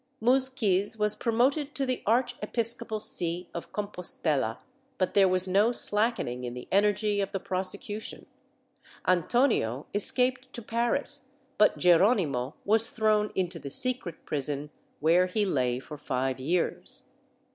Muzquiz was promoted to the archiepiscopal see of Compostcla, but there was no slackening in the energy of the prosecution. Antonio escaped to Paris but Geronimo was thrown into the secret prison, where he lay for five years.